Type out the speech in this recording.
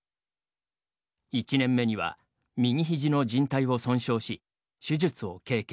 １年目には右肘のじん帯を損傷し手術を経験。